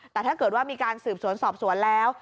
แต่ถ้าเกิดว่ามีการสืบสวนสอบสวนแล้ว